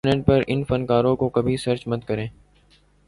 internet پر ان فنکاروں کو کبھی سرچ مت کریں